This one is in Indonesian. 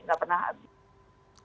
tidak pernah habis